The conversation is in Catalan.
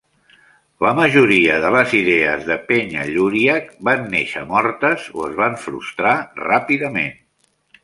La majoria de les idees de Penhalluriack van néixer mortes o es van frustrar ràpidament.